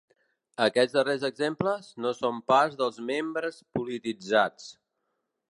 Aquests darrers exemples no són pas dels membres polititzats.